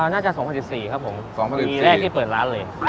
น่าจะ๒๐๑๔ครับผม๒๐ปีแรกที่เปิดร้านเลย